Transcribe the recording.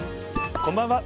こんばんは。